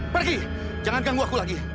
pergi jangan ganggu aku lagi